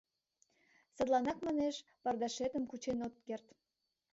— Садланак, манеш, пардашетым кучен от керт.